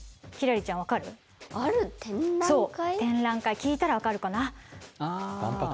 そう展覧会聞いたら分かるかな。